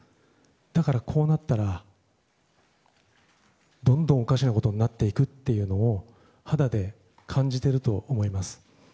だからこうなったらどんどんおかしなことになっていくというのを肌で感じていると思います。